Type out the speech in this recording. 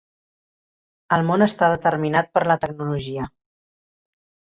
El món està determinat per la tecnologia.